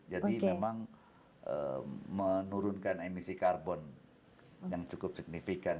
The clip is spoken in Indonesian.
jadi memang menurunkan emisi karbon yang cukup signifikan